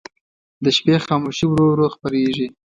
د شپې خاموشي ورو ورو خپرېږي.